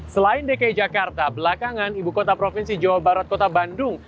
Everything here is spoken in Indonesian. selain dki jakarta belakangan ibu kota provinsi jawa barat kota bandung